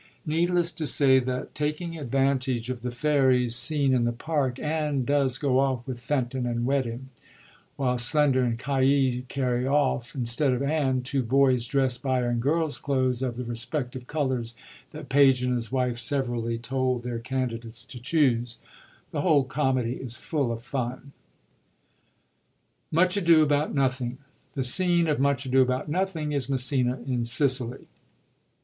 Needless to say that, taking advantage of the Fairies I02 MUCH ADO A'BOUT NOTHING scene in the park, Anne does go off with Fen ton and wed him ; while Slender and Caius carry off, instead of Anne, two boys drest by her in girls* clothes of the respective colours that Page and his wife severally told their Candidates to choose. The whole comedy is full of fun. Much Ado About Nothing. — The scene of MtLch Ado About Nothing is Messina, in Sicily.